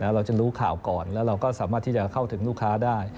เราจะรู้ข่าวก่อนแล้วเราก็สามารถที่จะเข้าถึงลูกค้าได้